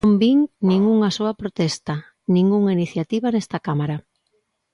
Non vin nin unha soa protesta, ningunha iniciativa nesta Cámara.